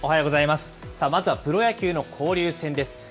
まずはプロ野球の交流戦です。